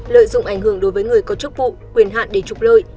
lợi dụng ảnh hưởng đối với người có chức vụ quyền hạn để trục lợi